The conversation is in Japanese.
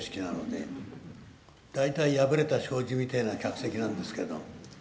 大体破れた障子みてえな客席なんですけど。